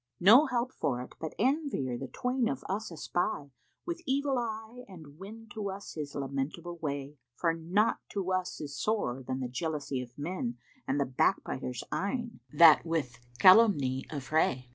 No help for it but Envier the twain of us espy * With evil eye and win to us his lamentable way. For naught to us is sorer than the jealousy of men * And the backbiter's eyne that with calumny affray."